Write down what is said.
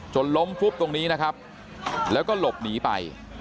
ล้มฟุบตรงนี้นะครับแล้วก็หลบหนีไป